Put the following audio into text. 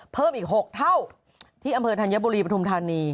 เพิ่มอีก๖เท่าที่อำเภอธัญบุรีปฐุมธานี